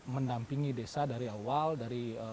mendampingi desa dari awal dari